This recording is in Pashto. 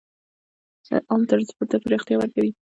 عام ټرانسپورټ ته پراختیا ورکوي.